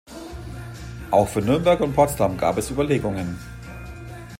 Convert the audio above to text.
Auch für Nürnberg und Potsdam gab es Überlegungen.